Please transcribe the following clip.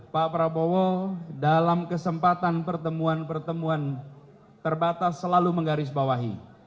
pak prabowo dalam kesempatan pertemuan pertemuan terbatas selalu menggarisbawahi